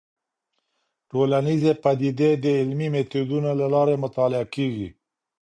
ټولنيزې پديدې د علمي ميتودونو له لارې مطالعه کيږي.